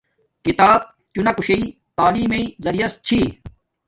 کتاب چھوناکوشݵ تعیم بݵ زریعے چھی